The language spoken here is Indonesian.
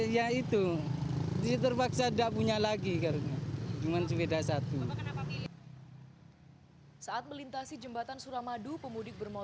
dan motor tidak boleh ditumpangi lebih dari tiga orang